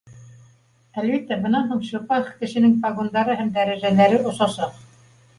Әлбиттә, бынан һуң шипах кешенең погондары һәм дәрәжәләре осасаҡ